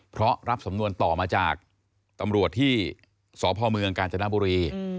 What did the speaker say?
เพราะรับสำนวนต่อมาจากตำรวจที่สพเมืองกาญจนบุรี